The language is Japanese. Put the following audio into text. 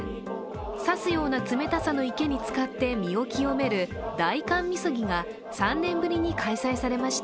刺すような冷たさの池に使ってみそぎをする、大寒みそぎが３年ぶりに開催されました。